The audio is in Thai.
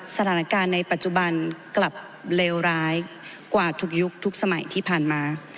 สถานการณ์ในปัจจุบันกลับเลวร้ายกว่าทุกยุคทุกสมัยที่ผ่านมา